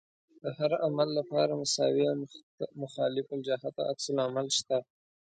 د هر عمل لپاره مساوي او مخالف الجهت عکس العمل شته.